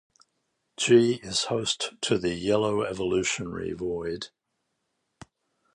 G is host to the "Yellow Evolutionary Void".